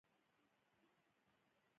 مناسب قیمت د خرڅلاو کچه لوړوي.